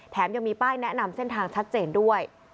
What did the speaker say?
ยังมีป้ายแนะนำเส้นทางชัดเจนด้วย